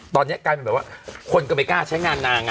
ตอนนี้กลายเป็นแบบว่าคนก็ไม่กล้าใช้งานนาง